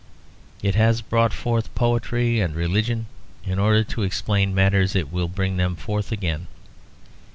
It has brought forth poetry and religion in order to explain matters; it will bring them forth again.